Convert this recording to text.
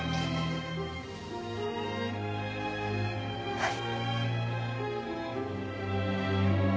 はい。